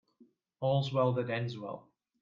All's well that ends well.